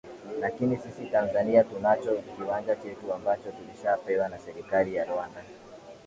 lakini sisi tanzania tunacho kiwanja chetu ambacho tulishapewa na serikali ya rwanda